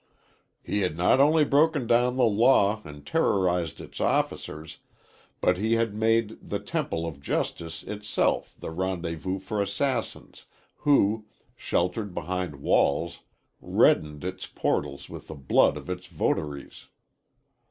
"He had not only broken down the law and terrorized its officers, but he had made the temple of justice itself the rendezvous for assassins who, sheltered behind walls, reddened its portals with the blood of its votaries.